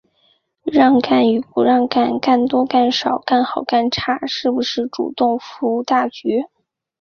让干与不干、干多干少、干好干差、是不是主动服务大局、